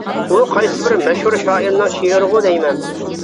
ئۇ قايسىبىر مەشھۇر شائىرنىڭ شېئىرىغۇ دەيمەن.